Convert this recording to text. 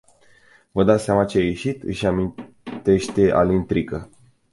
Vă dați seama ce a ieșit, își amintește Alin Trică.